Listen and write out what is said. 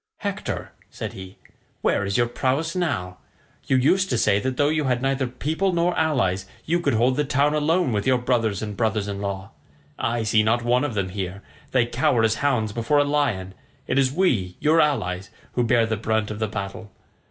"Hector," said he, "where is your prowess now? You used to say that though you had neither people nor allies you could hold the town alone with your brothers and brothers in law. I see not one of them here; they cower as hounds before a lion; it is we, your allies, who bear the brunt of the battle.